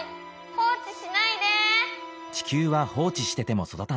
放置しないで！